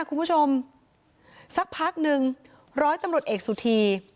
คุณผู้ชมสักพักนึงร้อยตำรวจเอกสุธี